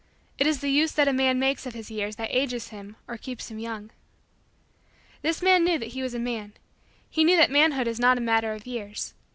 It is the use that a man makes of his years that ages him or keeps him young. This man knew that he was a man. He knew that manhood is not a matter of years.